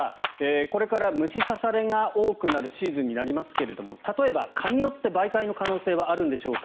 これから虫刺されが多くなるシーズンになりますけれど例えば蚊によって媒介の可能性はあるんでしょうか。